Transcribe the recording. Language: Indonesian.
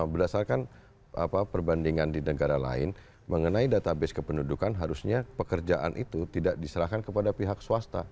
berdasarkan perbandingan di negara lain mengenai database kependudukan harusnya pekerjaan itu tidak diserahkan kepada pihak swasta